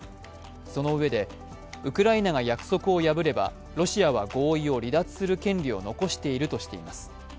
そのうえで、ウクライナが約束を破れば、ロシアは合意を離脱する権利を残しているとしています。